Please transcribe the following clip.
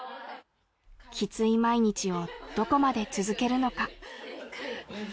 きつい毎日をどこまで続けるのか？